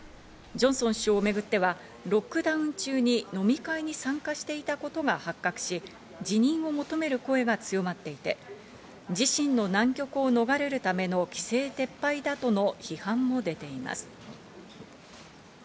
ジョンソン首相をめぐってはロックダウン中に飲み会に参加していたことが発覚し、辞任を求める声が強まっていて自身の難局を逃れるための規制撤廃だとの批判も出ています。